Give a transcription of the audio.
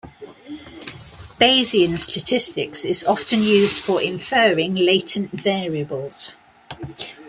Bayesian statistics is often used for inferring latent variables.